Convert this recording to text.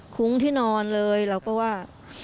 คุ้มที่นอนเลยเราก็ว่า